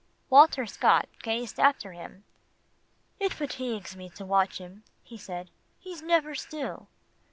Walter Scott gazed after him. "It fatigues me to watch him," he said. "He's never still."